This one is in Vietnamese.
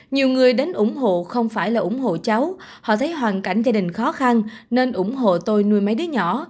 nhiều người đến ủng hộ không phải là ủng hộ cháu họ thấy hoàn cảnh gia đình khó khăn nên ủng hộ tôi nuôi máy đứa nhỏ